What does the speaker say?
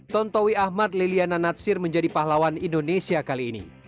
tontowi ahmad liliana natsir menjadi pahlawan indonesia kali ini